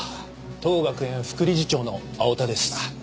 当学園副理事長の青田です。